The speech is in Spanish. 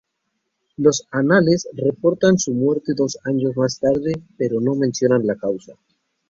Los anales reportan su muerte dos años más tarde, pero no mencionan la causa.